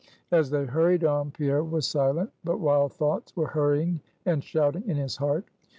As they hurried on, Pierre was silent; but wild thoughts were hurrying and shouting in his heart.